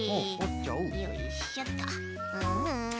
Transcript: よいしょっと。